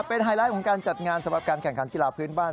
เป็นไฮไลท์ของการจัดงานสำหรับการแข่งขันกีฬาพื้นบ้าน